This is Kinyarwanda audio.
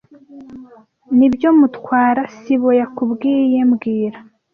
Nibyo Mutwara sibo yakubwiye mbwira